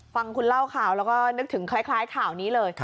ฟังคุณเล่าข่าวแล้วก็นึกถึงคล้ายข่าวนี้เลย